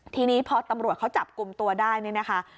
ทีนี้พอตำรวจเขาจับกลุ่มตัวได้เนี่ยนะคะ